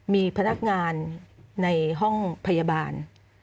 มีพนักงานในห้องพยาบาล